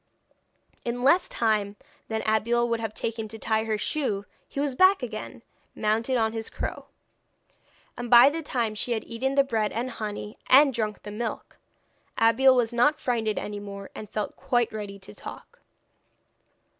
In less time than Abeille would have taken to tie her shoe he was back again, mounted on his crow. And by the time she had eaten the bread and honey and drunk the milk, Abeille was not frightened any more, and felt quite ready to talk.